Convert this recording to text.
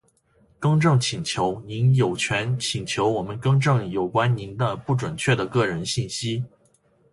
更正请求。您有权请求我们更正有关您的不准确的个人信息。